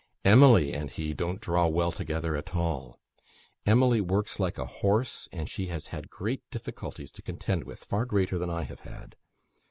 Emily and he don't draw well together at all. Emily works like a horse, and she has had great difficulties to contend with far greater than I have had.